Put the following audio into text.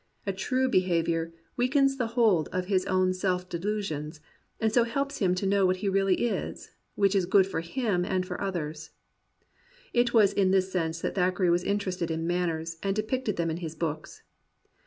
A true behaviour weakens the hold of his own self delusions, and so helps him to know what he really is — ^which is good for him and for others. It was in this sense that Thackeray was interested in manners, and depicted them in his books.